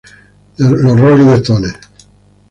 The Rolling Stones